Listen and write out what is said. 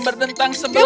jam berdentang sebelas